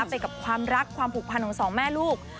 ไปกับความรักความผูกพันของสองแม่ลูก